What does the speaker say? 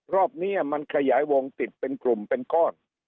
รอบนี้มันขยายวงติดเป็นกลุ่มเป็นก้อน